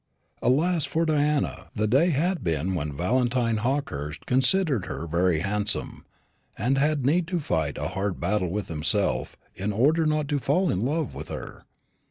Alas for Diana! the day had been when Valentine Hawkehurst considered her very handsome, and had need to fight a hard battle with himself in order not to fall in love with her.